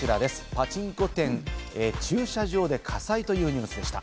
パチンコ店、駐車場で火災というニュースでした。